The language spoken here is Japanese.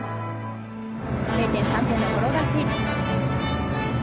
０．３点の転がし。